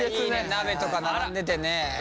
鍋とか並んでてね。